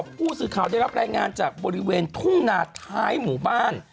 ผู้สื่อข่าวได้รับรายงานจากบริเวณทุ่งนาท้ายหมู่บ้าน